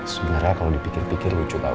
sebenarnya kalo dipikir pikir lucu tau